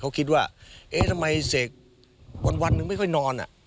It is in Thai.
เขาคิดว่าเอ๊ะทำไมเสกวันหนึ่งไม่ค่อยนอน